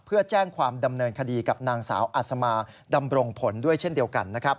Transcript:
เพื่อแจ้งความดำเนินคดีกับนางสาวอัศมาดำรงผลด้วยเช่นเดียวกันนะครับ